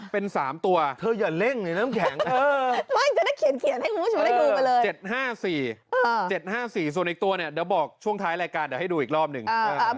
เป็น๓ตัวเธออย่าเร่งดิด้วยน้ำแข็ง